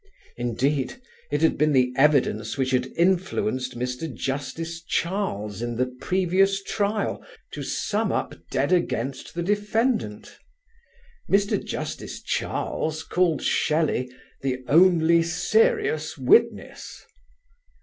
Indeed, it had been the evidence which had influenced Mr. Justice Charles in the previous trial to sum up dead against the defendant: Mr. Justice Charles called Shelley "the only serious witness."